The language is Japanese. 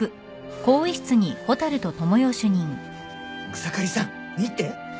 草刈さん見て。